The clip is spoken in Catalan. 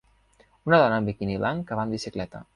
Una dona amb biquini blanc que va en bicicleta.